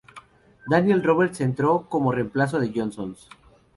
Daniel Roberts entró como reemplazo de Johnson.